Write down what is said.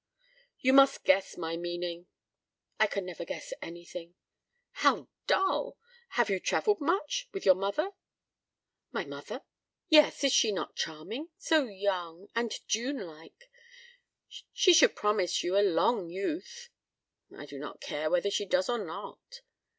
"You must guess my meaning." "I can never guess anything." "How dull! Have you travelled much—with your mother?" "My mother?" "Yes. Is she not charming? so young—and Junelike! She should promise you a long youth." "I do not care whether she does or not."